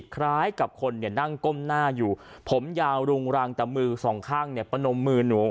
คล้ายกับคนนั่งก้มหน้าอยู่ผมยาวรุงรังแต่มือสองข้างประนมมือหนู